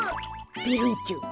ペロンチョ。